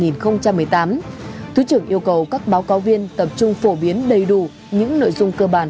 năm hai nghìn một mươi tám thứ trưởng yêu cầu các báo cáo viên tập trung phổ biến đầy đủ những nội dung cơ bản